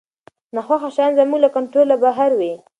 ناخوښه شیان زموږ له کنټروله بهر وي.